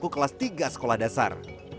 setelah berjalan ke kelas tiga sekolah dasar